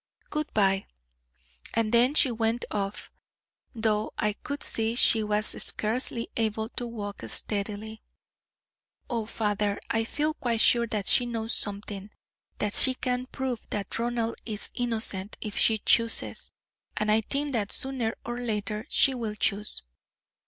Good bye,' and then she went off, though I could see she was scarcely able to walk steadily. Oh, father, I feel quite sure that she knows something; that she can prove that Ronald is innocent if she chooses; and I think that sooner or later she will choose.